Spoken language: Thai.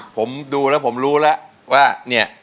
ผมดูแล้วผมรู้แล้วว่าเนี่ย